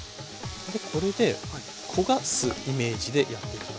でこれで焦がすイメージでやって下さい。